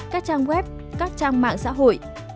các trang web các trang mạng xã hội